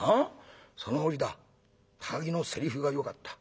その折だ高木のせりふがよかった。